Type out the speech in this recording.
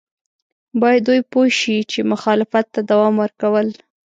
باید دوی پوه شي چې مخالفت ته دوام ورکول.